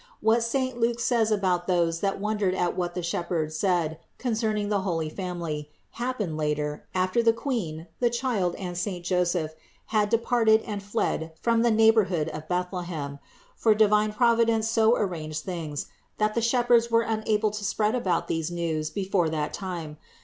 What saint Luke says about those that wondered at what the shepherds said concerning the holy Family, happened later, after the Queen, the Child and saint Joseph had de parted and fled from the neighborhood of Bethlehem; for divine Providence so arranged things, that the shepherds were unable to spread about these news before that time.